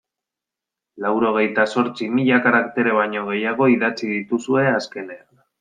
Laurogeita zortzi mila karaktere baino gehiago idatzi dituzue azkenean.